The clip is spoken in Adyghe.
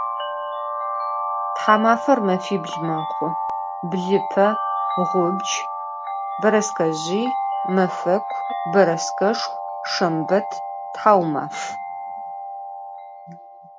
Thamafer mefibl mexhu: blıpe, ğubc, bereskezjıy, mefeku, bereskeşşxu, şşembet, thaumaf.